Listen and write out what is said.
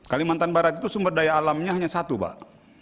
kalimantan barat itu sumber daya alamnya hanya satu pak